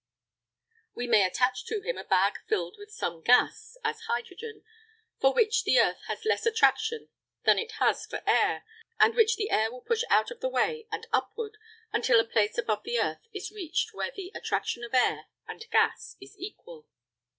We may attach to him a bag filled with some gas (as hydrogen) for which the earth has less attraction than it has for air, and which the air will push out of the way and upward until a place above the earth is reached where the attraction of air and gas is equal.